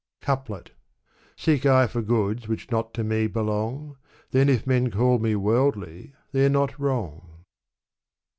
Couplet Seek I for goods which not to me belong ; Then if men call me worldly they're not wrong.